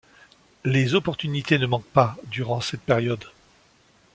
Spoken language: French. Les opportunités ne manquent pas, durant cette période.